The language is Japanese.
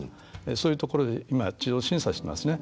そういうところで一度、審査してますね。